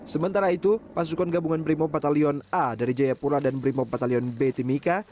sementara itu pasukan gabungan brimob batalion a dari jayapura dan brimob batalion b timika